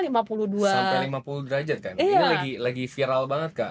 sampai lima puluh derajat kan ini lagi viral banget kak